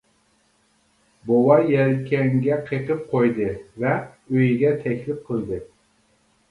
بوۋاي يەلكەڭگە قېقىپ قويدى ۋە ئۆيىگە تەكلىپ قىلدى.